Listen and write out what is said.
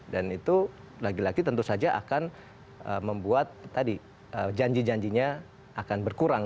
dan itu lagi lagi tentu saja akan membuat janji janjinya akan berkurang